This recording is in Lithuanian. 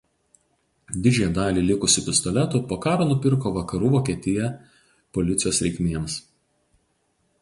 Didžiąją dalį likusių pistoletų po karo nupirko Vakarų Vokietija policijos reikmėms.